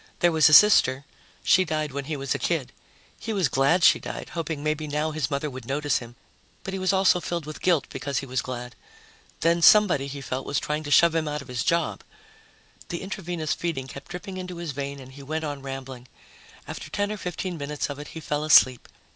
There was a sister: she died when he was a kid. He was glad she died, hoping maybe now his mother would notice him, but he was also filled with guilt because he was glad. Then somebody, he felt, was trying to shove him out of his job. The intravenous feeding kept dripping into his vein and he went on rambling. After ten or fifteen minutes of it, he fell asleep.